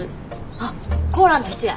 あっコーラの人や！」